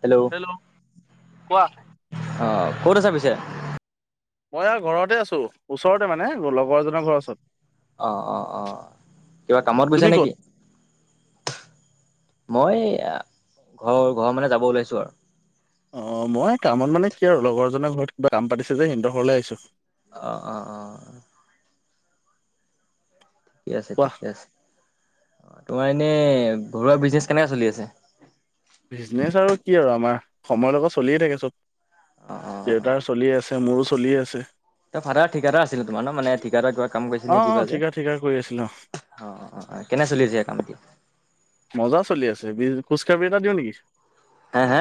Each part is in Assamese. হেল্ল'। কোৱা। অহ, ক'ত আছা পিছে? মই আৰু ঘৰতে আছোঁ, ওচৰতে মানে লগৰ এজনৰ ঘৰৰ ওচৰত। অ', অ', অ' কিবা কামত গৈছে তুমি ক'ত? নেকি? মই ঘৰৰ ঘৰৰ মানে যাব ওলাইছো আৰু অ' মই কামত মানে কি আৰু লগৰজনৰ ঘৰত কিবা কাম পাতিছে যে সিহতৰ ঘৰলে আহিছো অ', অ', অ' ঠিকে আছে কোৱা ঠিকে আছে তোমাৰ এনেই ঘৰুৱা বিজনেছ কেনেকে চলি আছে বিজনেচ আৰু কি আৰু আমাৰ সময়ৰ লগত চলিয়ে থাকে অঁ অঁ চব দেউতাৰ চলি আছে মোৰো চলি আছে। ত ভা়ড়া ঠিকাৰ আছিল তোমাৰ ন মান ঠিকাৰা কাম কৰিছে নে অ' অ' যিবা যে ঠিকা ঠিকা কৰি আছিলো অ' অ' কেনে চলি আছে কাম এতিয়া মজা চলি আছে বি খোজ কঢ়ি এটা দিও নেকি? হা হা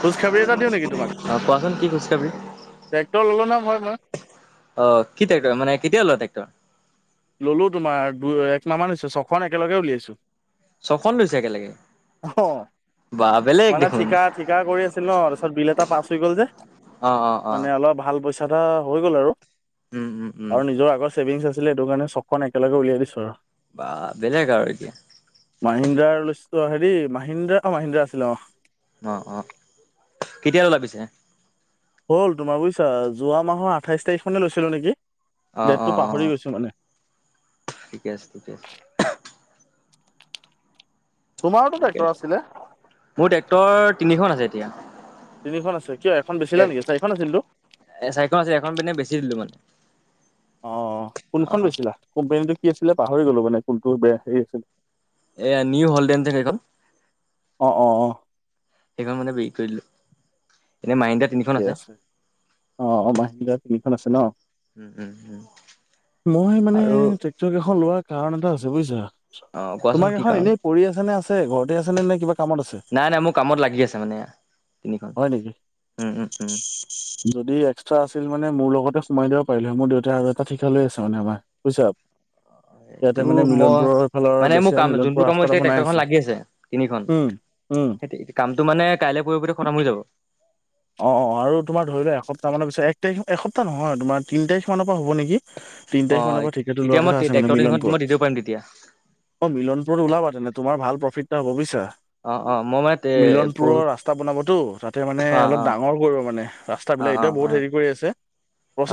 খোজখাবৰি এটা দিওঁ নেকি তোমাক? অ কোৱাচোন কি খোজকাবৰি ট্ৰেক্টৰ ললো ন হয় মই। আহ কি ট্ৰেক্টৰ মানে কেতিয়া লোৱা ট্ৰেক্টৰ ললো তোমাৰ দুই এক নামান হৈছে ছখন একেলগে উলিয়াইছো ছখন লৈছে একেলগে অ' বা বেলেগ মানে দেখোন। ঠিকা ঠিকা কৰি আছিল ন, তাৰপিছত বিল এটা পাছ হৈ গ'ল যে অঁ অঁ অঁ মানে অলপ ভাল পইচা এটা হৈ গ'ল উম উম উম চছেভিংছ আছিলে সটো কাৰণে চকখন একেলগে উলিয়াই দিছো আৰু বা বেলেগ আৰু এতিয়া মাহিন্দ্ৰ ল হেৰি মাহিন্দা অ মাহিন্দ্ৰা আছিলে অ' অ' অ' কেতিয়ালৈ ওলাবিছে হল তোমাৰ বুজিছা যোৱা মাহৰ আঠাইছ তাৰিখনে লৈছিলো নেকি? অ', ডেটটো অ', অ', পাহৰি গৈছো মানে। ঠিকে আছে ঠিকে আছে তোমাৰোতো নে ট্ৰেক্টৰ আছিলে মোৰ ট্ৰেক্টৰ তিনিখন আছে এতিয়া তিনিখন আছে কিয় এখন বেচিলা এ নেকি চাৰিখন আছিলতো এ চাইক আছে এখন পিনে বেছি দিলো মানে। অ' অ', কোনখন অ'। বেছিলা কোম্পানীটো কি আছিলে পাহৰি গলো মানে কোনটো হেৰি আছিল। এয়া নিউ হলডে থ ক অ অ অ সেইখন মানে বেৰি কৰিলো ঠিকে আছে অ' অ' মাহন্দা তিনিখন আছে ন' উম, উম, উম, মই মানে আৰু ট্ৰেক্টৰ কেইখন লোৱাৰ কাৰণ এটা আছে বুজিছা। অ', কোৱাচোন তোমাক কি এখন কাৰণ এনেই পৰি আছে নে আছে ঘৰতে আছেনে নে কিবা? কামত আছে নাই নাই মোৰ কামত লাগি আছে মানে তিনিখন। হয় নেকি? উম, উম, উম, যদি এক্সট্ৰা আছিল। মানে মোৰ লগতে সোমাই দিব পাৰিলো হয়ে মোৰ দেউতা আৰু এটা ঠিকা লৈ আছে মানে আমাৰুিছা অ' এইটো মই মানে বেছি মোৰ কাম মিলনপুৰ যোনটো কামত ৰাস্তাত এতিয়া বনাই ট্ৰেক্টৰখন লাগি আছে তিনিখন উম উম। সেই কামটো মানে কাইলে পৰহি ভিতৰত খতম হৈ যাব অ অ আৰু তোমাৰ ধৰি লোৱা এসপ্তাহ মানৰ পিছত এক তাৰিখ এসপ্তাহ নহয় তিনি তাৰিখ মানৰ পৰা হব নেকি তিনি তাৰিখ অ', মানৰ পৰা ঠিকেটো তেতিয়া লোৱাৰ মই কথা আছে মানে ট্ৰেক্টৰ তিনিখন মই মিলনপুৰত দি দিব পাৰিম তেতিয়া। অ মিলনপুৰত ওলাবা তেনে তোমাৰ ভাল প্ৰফিট এটা হ'ব বুইছা অ', অ', মই মানে তে মিলনপুৰৰ পৰহি ৰাস্তা বনাবতো তাতে মানে অ', অলপ অ', ভাল কৰিব মানে ৰাস্তা অ', বিলাক অ', মানে অ', হেৰি কৰি আছে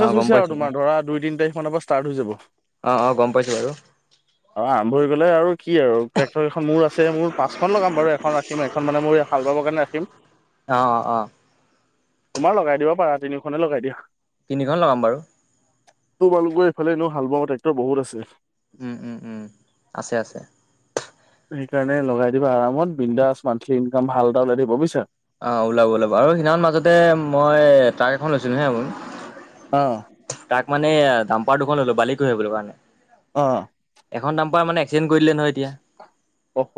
অ', গম হৈছে আৰু পাইছোঁ তোমাৰ ধৰা দুই তিন তিনি তাৰিখ মান ৰ পৰা ষ্টাৰ্ ত হৈ যাব অ অ গম পাইছোঁ বাৰু অ আৰম্ভৰি পেললে আৰু কি আৰু ট্ৰেক্টৰ এখন মোৰ আছে মোৰ পাঁচখন লগাম বাৰু এখন ৰাখিম এখন মানে মোৰ পাবৰ কাৰণে আমি অ অ অ তোমাৰ লগাই দিবা পাৰা তিনিখনে লগাই দিয়া তিনিখন লগাম বাৰু তোমালোকৰ এইফালে এনেও হাল বোৱা ট্ৰেক্টৰ বহুত আছে উম উম উম আছে আছে সেইকাৰণে লগাই দিবা আৰামত বিন্দাছ মান্থলি ইনকাম ভাল এটা হৈ থাকিব বুজিছা অ ওলাব ওলাব আৰু সেইদিান মাজতে মই ট্ৰাক এখন লৈছিলো হে আপোন আহ তাক মানে ডাম্পাৰ দুখন ললো বালি কঢ়িয়াবলৈ কাৰণে অ এখন ডাম্পাৰ মানে চ কৰি দিলে নহয় এতিয়া অহ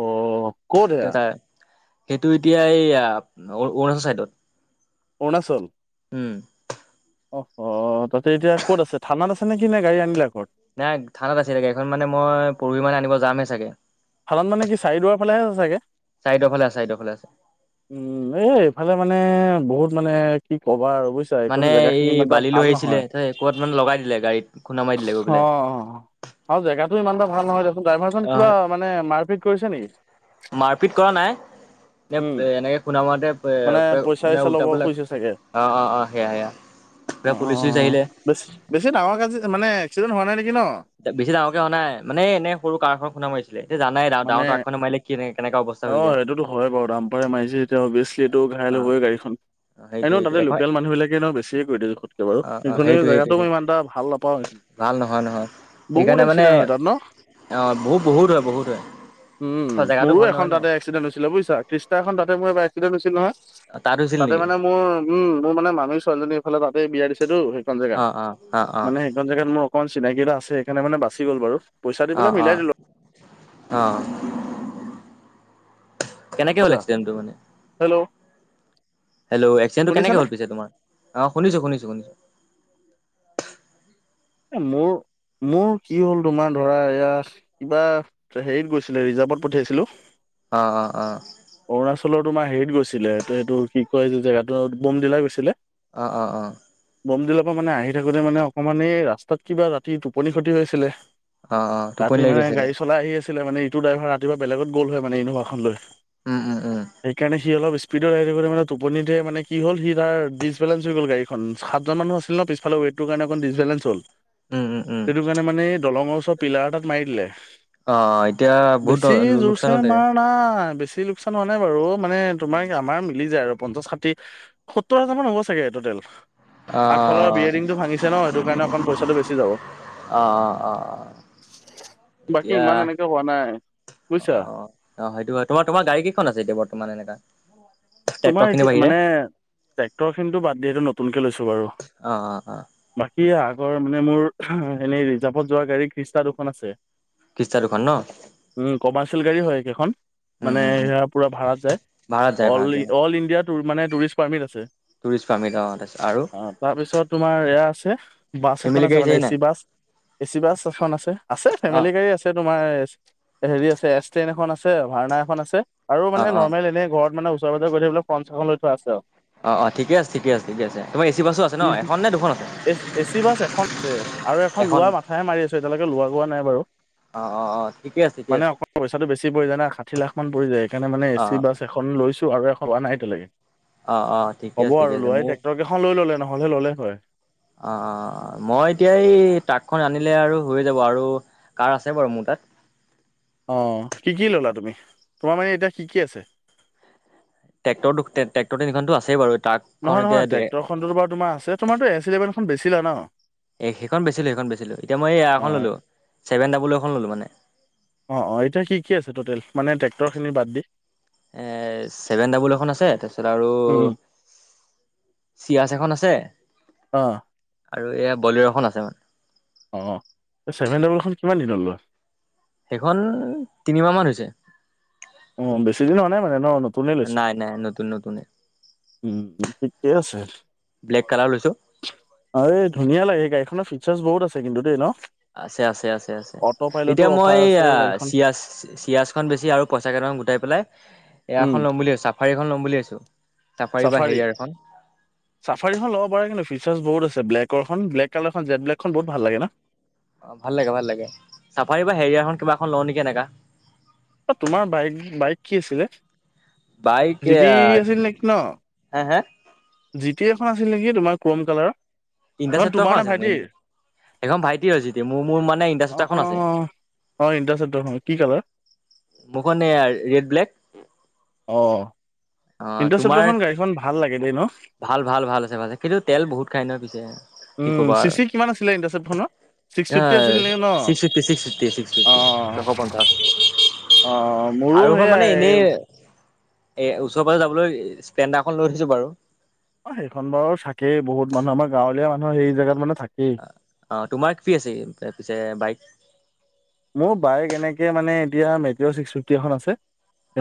ক'ত এয়া সেইটো এতিয়া এই অৰুণাচল চাইদত অৰুণাচল উম অ তাতে এতিয়া ক'ত আছে থানাত আছেনে নে কি গাড়ী আনিলা ঘৰত নাই থানাত আছে গাড়ীখন মানে মই পৰহি মানে আনিব যামহে চাগে ফালান মানে কি চাৰিদুৱাৰ ফালে আছে চাগে চাইদৰ ফালে আছে চাইদৰ ফালে আছে উম এই এইফালে মানে বহুত মানে কি ক'বা আৰু বুজিছা মানে কোনো জেগা এই খিনি ইমান এটা বালি লৈ ভাল আহিছিলে নহয় ক'বাত মানে লগাই দিলে গাড়ীত খুন্দা মাৰি দিলে গৈ অ পেলাই। আও জেগাটো ইমানটা ভাল নহয় দিয়াচোন ড্ৰাইভাৰজন আহ কিবা মানে মাৰপিট কৰিছে নিকি মাৰপিট কৰা নাই এ এ এনেকে খুনা মাৰোতে পে মানে পে পইচা মানে চইচা ল'ব উলটা পুল্টা অঁ অঁ অঁ সেয়া সেয়া পুলিচ চুলিচ অঅঅ আহিলে বেছ বেছি ডাঙৰ কেজ মানে এক্সিডেণ্ট হোৱা নাই নেক বেছি ডাঙৰকে হোৱা নাই মানে এনে সৰু কাৰখন খুনা মাৰিছিলে এ জানাই ডাঙ মানে ডাঙৰ ট্ৰাকখনে মাৰিলে কি এনে অ সেইটোতো হয় বাৰু দাম পাৰেৰে মাৰিছে এতিয়া অভিয়াচলি এইটো ঘাই অ ল হ'বই গাড়ীখন সেইটোৱে এনে সেইটোৱে তাতে এখন লোকেল মানুহ বিিলাকে ন বেছিয়ে কৰি দিো খোতকে বাৰু অ অ সখি সেইটোৱে জেগাতটোো সেইটোৱে ই এটা ভাল নাপাওঁ নিি ভাল নহয় নহয় বহুত সেইকাৰণে মানে এক্সিডেণ্ট হয় তাত ন অ বহুত বহুত হয় বহুত হয় উম জেগাটো মোৰো ভাল নহয় এখন ন তাতে এক্সিডেণ্ট হৈছিলে বুজিছা ষ্টা এখন তাতে মোৰ এ এক্সিডেণ্ট হৈছিল নহয় তা তে তাতে মানে মোৰ উম মোৰ মানে মামী ছোৱালীজনীৰ এইফালে তাতে বিয়া দিছেতো সেইখন জেগা অ অ অ অ মানে সেইখন জেগাত মোৰ অকমান চিনাকি এটা আছে সেইকাৰণে মানে বাচি গল বাৰু পইচা দি পেলাই অ অ মিলাই দিলো অ কেনেকে হল আচ্ছা একছিডেন্ট টো মানে হেল্ল' হেল্ল' এক্সিডেন্ট তো কেনেকে শুনিছানে হল পিছে তোমাৰ অ শুনিছো শুনিছো মোৰ মোৰ কি হ'ল তোমাৰ ধৰা এয়াত কিবা হেৰিত গৈছিলে ৰিজাৰ্ভত পঠিয়াইছিলোঁ অ অ অ ফলৰ তোমাৰ হেৰিত গৈছিলে এইটো কি কয় যে জেগাটো বোম দিলা গৈছিলে অ' অ' অ' বমদিলাৰ পৰা মানে আহি থাকোঁতে মানে অকণমান এই ৰাস্তাত কিবা ৰাতি টোপনি ক্ষতি হৈছিলে অ অ টোপনি ৰাতি লাগি মানে গ'ল চাগে গাড়ী চলাই আহি আছিলে মানে টো ড্ৰাইভাৰ ৰাতিপুৱা বেলেগত গ'ল হয় মানে ইনভাখন লৈ উম উম উম সেইকাৰণে সি অলপ মে টোপনিতে মানে কি হ'ল সিাৰিচবেলেঞ্চ গল গাডীখনাতজন মানুহ আছিল ন পিছালে সেইটো কাৰণে এখন ডচবেলেঞ্চ'ল উম উম উম সেইটো কাৰণে মানে এই দলঙৰ ওচৰত পিলাৰ এটাত মাৰি দিলে। অ এতিয়া বহুত বেছি লোকচান জোৰছে হ'ল চাগে মাৰ নাই বে বেছি লোকচান হোৱা নাই বাৰু মানে তোমাৰ আমাৰ মিলি যায় আৰু পঞ্চাশ ষাঠি সত্তৰ হাজাৰ মান হ'ব চাগে টেল অ অ আগফালৰ বিয়েতটো ভাঙিছে ন সেইটো কাৰণে অকণ পইচা বেছি যাব অ অ অ বাকী এতিয়া ইমান এনেকে হোৱা নাই। বুজিছা অ', অ' সেইটো হয় তোমাৰ তোমাৰ গাড়ী কেইখন আছে এতিয়া বৰ্তমান এনেকা, ট্ৰেক্টৰ তোমাৰ খিনিৰ এতিয়া বাহিৰে মানে ট্ৰেক্টৰ খিনিতো বাদিয়টো নতুনকে লৈছো। অ', অ', অ' স আগৰ মানে মোৰ এনেই ৰিজাৰ্ভত যোৱা গাড়ী খ্ৰীষ্টা দুখন আছে। কিষ্ট্তা দুখনান ন উম উম উম ম ভাড়াত যায় ভাড়াত ভ যায় টুৰিষ্ট পাৰ্মিট অ তাৰপিছত আৰু আ তাৰপিছত তমাৰ ছে বাছ এখন ফেমিলি আছে গাড়ী মানে চাৰি এ নাই C bus A C bus এখন আছে, আছে অ ফেমিলি গাড়ী আছে তোমাৰ হেৰি আছে এছ ্ৰেইন এখন আছে ভাওনা এখন আছে। আৰু অ মানে অ নৰ্মেল এনে ঘৰত মানে ওচ পাজ গৈাকোলে ফ্ৰন চাখন লৈ থোৱা আছে আৰু, অ' অ' ঠিকে আছে ঠিক আছে ঠিক আছে তোমাৰ চি বাছো আছে ন এখন নে দুখন আছে এ এ চি বাছ এখন আছে আৰু এখন লোৱা মাথাহে মাৰি আছো এতিয়ালৈকে লোৱা গোৱা নাই বাৰু অ অ অ ঠিকে আছে ঠিকে মানে আছে অক পইচাটো বেছি পৰি যায় না ষাঠি লাখ মান পৰি যায় সেইকাৰণে মানে এ অ চি বাছ এখন লৈছো। নাই তেয়ালকে অ অ ঠিকে হব আছে আৰু ঠিকে আছে লোৱাই মোৰ ট্ৰেক্টৰ কেইখন লৈ ললে নহয়। হলে ল'লে হয়। অ' মই এতিয়া এই ট্ৰাকখন আনিলে আৰু হৈ যাব আৰু কাৰ আছে বাৰু মোৰ তাত। অ' কি কি ললা তুমি তোমাৰ মানে এতিয়া কি কি আছে। ট্ৰক্টৰ ট্ৰে্টৰ দিনাখনতো আছে বাৰু ট্ৰাকখন নহয় এতিয়া নহয় ট্ৰেক্টৰখননো বাৰ তোমাৰ আছে তোমাৰো এছভেনখন বেছি লা ন এই সেইখন বেচিলোঁ সেইখন বেচিলোঁ এতিয়া মই এই এ এখন অ' ল'লোঁ ছেভেন ডাবুল এখন ল'লোঁ মানে। অ' অ' এতিয়া কি কি আছে টটেল মানে ট্ৰেক্টৰ খিনি বাদ দি এ চছেভেন ডাবল এখন আছে তাৰপিছত আৰু উম। চিয়াছ এখন আছে। অ' আৰু এয়া বলৰখন আছে মান। অ' এই চেভেন ডভলখন কিমান দিন লয়। সেইখন তিনিমাহ মান হৈছে। উম বেছি দিন হোৱা নাই মানে ন নতুনে লৈছে। নাই নাই নতুন নতুনে উম ঠিকিকেই আছে। ব্লেক কালাৰ লৈছো অ' এই ধুনীয়া লাগে, গাড়ীখনৰ ফিচাৰছ বহুত আছে। কিন্তু, দে ন। আছে, আছে, আছে, আছে। অট' পাইলতো এতিয়া, মই অফাৰ আছে আৰু গাড়ীখন। চিয়াজ চিয়িয়াজ খন বেছি আৰু পইচা কেইটামান গোটাই পেলাই এয়া উম এখন ল'ম বুলি চা। চফাৰীখন ল'ম বুলি আছোঁ। চাফাৰী বা হেৰিয়াৰখন। চাফাৰীখন ল'ব পাৰে কিন্তু, ফিচাৰ্ছ বহুত আছে, ব্লেকৰখন ব্লেক কালাৰখন জেড ব্লেকখন বহুত ভাল লাগে ন। অ' ভাল লাগে, ভাল লাগে, চাফাৰী বা হেৰিয়াৰখন কিবা এখন লওঁ নেকি এনেকা। অ' তোমাৰ বাইক বাইক কি আছিলে বাইক জিডি আছিল নেকি ন। হে হে জি টি এখন আছিল নেকি তোমাৰ ক্ৰম কালাৰৰ, সেইখন ইণ্টাৰচেপ্টৰখন তোমাৰ নে আছিল মোৰ ভাইটিৰ? সেইখন ভাইটিৰ জিতি মোৰ মোৰ মানে ইণ্টাৰচেপ্টাৰখন আহ আছে অ আহ ইন্দ্ৰা চাদৰ হয় কি কালে মখনে ৰেড ব্লোক [unintelligible] চত্ৰখন গাড়ীখন ভাল লাগিল দেই ন। ভাল ভাল ভাল আছে ভাল আছে কিন্তু তেল বহুত খাই নহ পিছে উম চি চি কিমান আছিলে ইণ্টাৰচেট ফোনৰ আ six fifty- six fifty- six fifty, অ ছশ পঞ্চাছ। অ মোৰো আৰু খ মানে সেয়াই এনেই এ ওচৰ পাজ যাবলৈ ষ্টেণ্ডাখন লৈ থৈছো বাৰু অ সেইখন বাৰু চাকেই বহুত মানুহ আমাৰ গাঁৱলীয়া মানুহৰ সেই জেগাত মানে থাকেই অ তোমাৰ কিি আছে পিছে বাইক মোৰ বাইক এনেকে মানে এতিয়া মেট ছিক্স ফিফটি এ আছে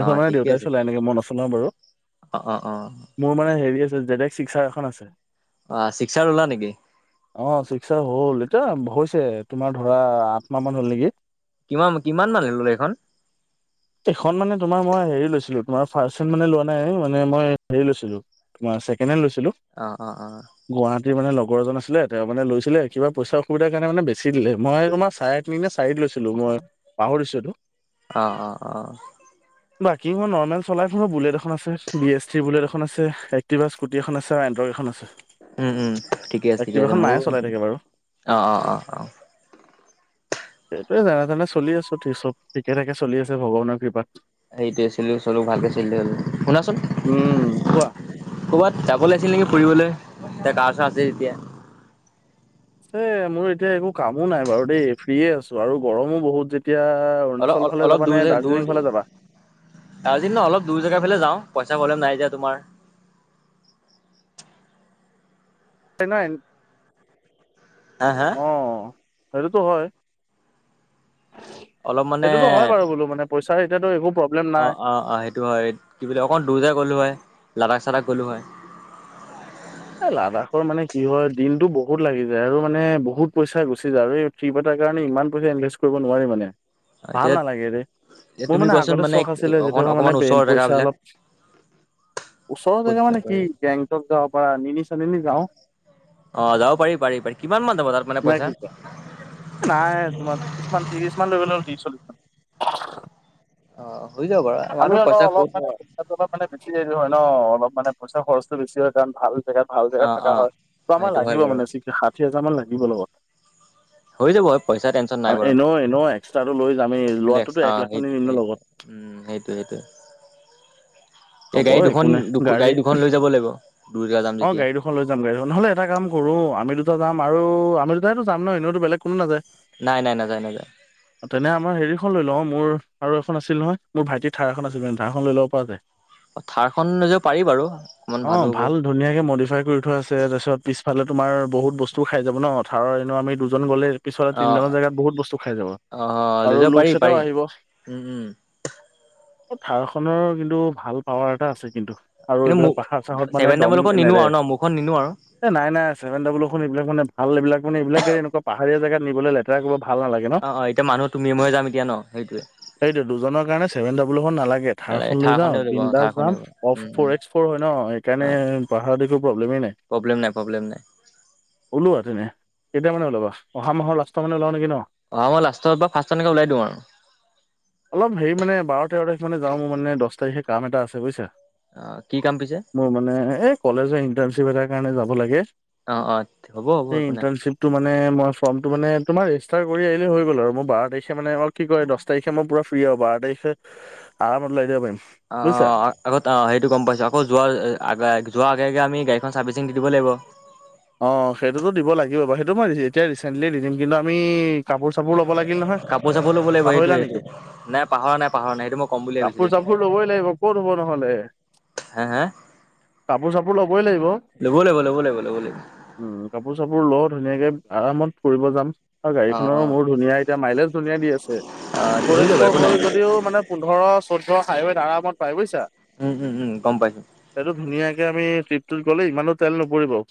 অ মানে ঠিকে দেউতাই আছে চলাই ঠিকে নেকি আছে মই নচলাও বাৰু অ অ অ মোৰ মানে হেৰি আছে জেনেক শিক্সা অ ছিক্সাৰ ল'লা নেকি অ শিক্ষা হলতি হৈছে তোমাৰ ধৰা আঠ মাহ মান হ'ল নেকি কিমান- কিমান মানে ল'লে এইখন। এখন মানে তোমাৰ মই হেৰি লৈছিলো তোমাৰ ফাৰ্ষ চ মানে লোৱা নাই মানে মই হে লৈছিলো তমাৰ অ অ অ [unintelligible] গৰজন আছিলে তেওঁ মানে লৈছিলে কিবাইচা অসুবিধাৰ কাৰণে মানে বেছি দে মই তোমাৰ চাৰনা চাৰি লৈছিলো ম পাহৰিছোটো। অঁ অঁ অঁ বাইকিংই নৰ্মেল চলাই বুলেট এখন আছে বি এছ টিৰ বুলেট এখনছে এক্টিভা স্কুটি এখন আছে এণ্ট্ৰ এখন আছে উম উম ঠিকে আছে ঠিকে আছে এক্টিভাখন মায়ে মোৰো চলাই থাকে বাৰু অ অ অ অ সেইটোয়ে জানে জানে চলি আছো চব ঠিকে থঠাকে চলি আছে ভগৱানৰ কৃপা সেইটোোৱেছিলো চলো ভালকে চিল হল শুনাচোন উম কোৱা ক'বাত যাব লাগিছিল নেকি ফুৰিবলৈ এতিয়া গা চা আছে যেতিয়া এ মোৰ এতিয়া একো কামো নাই বাৰু দেই ফ্ৰয়ে আছো আৰু গৰমো বহুত যেতিয়া অলপ অৰুণাচল অ ফালে অলপ যাবা নে দূৰ জ দাৰ্জিলিং দৰ ফালে যাবা আজ ন অলপ দূৰ জেগা ফালে যাওঁ পইচা ভলেম নাই যে তোমাৰ [unintelligible] হা হা অ সেইটোতো হয় [unintelligible] অলপ মানে সেইটোতো হয় বাৰু বোলো মানে পইচাৰ এতিয়াতো একো প্ৰব্লেম অ নাই অ অ সেইটো হয় কি বুলি অকণ দূজাৰ ল এ লাডাখৰ মানে কি হয় দিনতটো বহুত লাগি যায় আৰু মানে বহুত পইচা গুচি যায় আৰু এই ট্ৰিপ এটা ণে ইমান পইচা ইনভেষ্ট কৰিব নোৱাৰি মানে এতিয়া ভাল নালাগে এ মোৰ তুমি মানে কোৱাচোন আগতে চখ আছিলে অকন যেতিয়াবা অকমান মানেে ওচৰৰ পইচা জেগাবিলাক অলপ ওচৰৰ ক'ত জেগা যাব মানে পাৰি কি গেংটক যাও বা নিনি চননি যাও অ যাব পাৰি পাৰি পাৰি কিমান মান যাব তাত মানে পইচা এ নাই তোমাৰ ত্ৰিছ মান ত্ৰিছ মান লৈ গলে হ'ল ত্ৰিছ চল্লিশ মান। অ হৈ যাব বাৰু আমি আমাৰতো ন পইচা ক'ত অলপ মানে পা অলপ মানে বেছি য হয় ন অলপ মানে পইচা খৰচটো বেছি হয় কাৰণ ভাল জেগাত ভাল অ জেগা থকা অ হয় ত' আমাৰ সেইটো হয় লাগিব বাৰু মানে চিক খাত ষাঠি হাজাৰ মান লাগিব লগত হৈ যাব পইচা টেনচন নাই বাৰু এনে এনেও এক্সট্ৰাটো লৈ যামি লেক্স লোৱাটোতো অ এক লাখি সেইটো নিমো সেইটো লগত উম সেইটোয় সেইটোে হ'ব একো নাই গাড়ী যাব লাগিব দূৰ জেগা যাম অ যেতিয়া গাড়ী দুখন লৈ যাম গাড়ীখন নহ'লে এটা কাম সৰুো আমি দুো যাম আৰু আমি দুটাইতোাম ন এনেওো বেলেগ কোনো নাযায় নাই নাই নাযায় নাযায় তেনে আমাৰ হেৰিখন লৈ লও মোৰ আৰু এখন আছিল নহয় মোৰ ভাইটিৰ ধাৰ এখন আছিল মানে ধাৰা এখন লৈ ল'ব পৰা যায় থাৰখন লৈ যাব পাৰি বাৰু অকমান অঁ ভালো হ'ব ভাল ধুনীয়াকে মডিফাই কৰি থোৱা আছে তাৰপিছত পিছ -ফালে তোমাৰ বহুত বস্তু খাই যাব ন থাৰৰ এনেও আমি দুজন গ'লে পিছলে অ তিনি [unintelligible] জেগাত বহুত বস্তু খাই যাব অ লৈ আৰু যাব পাৰি লুকচ এটাও পাৰি আহিব উম [inaudible] থাৰখনৰ কিন্তু ভাল পাৱাৰ এটা আছে কিন্তু আৰু কিন্তু এইবিলাক মোক পাহাৰ চাহাৰত মানে ছেভেন দম ডাবল খন নিনো নেৰে আৰু ন মোৰখন নিনো আৰু এ নাই নাই ছেভেন ডাব্লু এইবিলাক মানে ভাল এইবিলাকা মানে এইবিলাক এনেকুৱা পাহাৰীয়া জেগাত নিবলৈ লেতেৰা কৰিব ভাল নালাগে ন অ অ এতিয়া মানুহ তুমি ময়ে যাম এতিয়া ন সেইটোৱে সেইটোৱে দুজনৰ কাৰণে ছেভেন [unintelligible] নালাগে, থাৰ নালাগে খন লৈ যাওঁ? থাৰখনে উলিয়াব অ এ থাৰখনে যাম উলিয়াব অ উম ফ'ৰ উম। এক্স ফ'ৰ হয় ন অ সেইকাৰণে পাহাৰত একো প্ৰব্লেম নাই প্ৰব্লেম নাই প্ৰব্লেম নাই ওলোৱা তেনে কেতিয়া মানে ওলাবা অহা মাহৰ লাষ্টৰ মানে ওলাও নেকি ন! অহা মই লাষ্টত বা ফাৰ্ষ্ট এনেকে ওলাই দিওঁ আৰু অলপ হেৰি মানে বাৰ তেৰ তাৰিখ [unintelligible] যাও, মোৰ মানে দশ তাৰিখে কাম এটা আছে বুজিছা? অ কি কাম পিছে মোৰ মানে এই কলেজৰ ইণ্টাৰণশ্বিপ এটাৰ কাৰণে যাব লাগে। অ অ হ'ব হ'ব এই একো নাই। ইন্টাৰনশ্বিপটো মানে মই ফৰ্মটো মানে তোমাৰ ৰেজিষ্টাৰ কৰি আহিলেই হৈ গ'ল আৰু মোৰ বাৰ তাৰিখে মানে অ' কি কৰে দহ তাৰিখে মই পুৰা ফ্ৰীৰ আৰু বাৰ তাৰিখে আৰামত ওলাই যাব পাৰিম। বুজিছা। অ' আগত অ' সেইটো গ'ম পাইছোঁ। আকৌ যোৱাৰ আগ যোৱাৰ আগে এতিয়া আমি গাড়ীখন চাৰ্ভিচিং দি দিব লাগিব। অ' সেইটোতো দিব লাগিব বাৰু, সেইটো মই এতিয়া ৰিচেণ্টলি নিদিম কিন্তু আমি কাপোৰ চাপোৰ ল'ব লাগিল নহয়। কাপোৰ চাপোৰ ল'ব লাগিব, পাহৰিলা সেইটোৱে নেকি? সেইটোৱে নাই পাহৰা নাই পাহৰা নাই সেইটো মই ক'ম বুলি ভাবিছিলোঁ এতিয়া। ভুল [unintelligible] লাগিব, কত হ'ব নহলে? হে হে কাপোৰ, চাপোৰ লবই লাগিব। ল'ব লাগিব ল'ব লাগিব। উম, কাপোৰ চাপোৰ লৰ ধুনীয়াকে আৰামত ফুৰিব যাম। অ', গাড়ীখনৰো মোৰ ধুনীয়া, এতিয়া মাইলেজ ধুনীয়া দি আছে। অ ফৰ ধৰি এক্স ল'বা ফৰ একো নাই হয় যদিও মানে পোন্ধৰ চৈধ্য হাইৱেত আৰামত পায় বুজিছা। উম, উম, উম গ'ম পাইছোঁ। এতিয়া আমি ট্ৰিপটোত গ'লে ইমানো তেল নুপুৰিব।